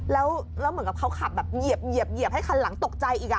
แล้วเหมือนกับเขาขับแบบเหยียบให้คันหลังตกใจอีก